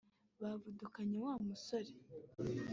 bavudukanye wa musore